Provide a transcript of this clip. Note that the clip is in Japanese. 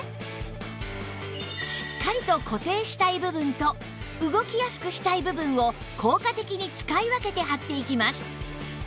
しっかりと固定したい部分と動きやすくしたい部分を効果的に使い分けて貼っていきます